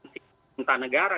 dan cinta negara